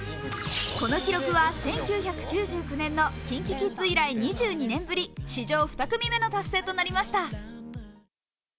この記録は１９９９年のＫｉｎＫｉＫｉｄｓ依頼２２年ぶり、史上２組目の達成となりました。